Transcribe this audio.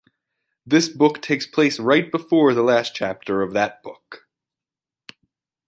This book takes place right before the last chapter of that book.